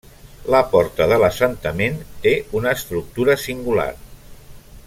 La porta de l'assentament té una estructura singular.